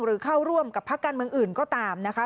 เข้าร่วมกับพักการเมืองอื่นก็ตามนะคะ